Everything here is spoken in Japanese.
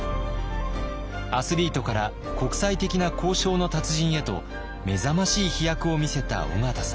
アスリートから国際的な交渉の達人へと目覚ましい飛躍を見せた緒方さん。